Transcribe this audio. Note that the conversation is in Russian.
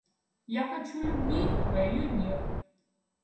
Я хочу любви, а ее нет.